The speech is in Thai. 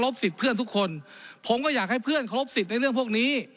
สิทธิ์เพื่อนทุกคนผมก็อยากให้เพื่อนเคารพสิทธิ์ในเรื่องพวกนี้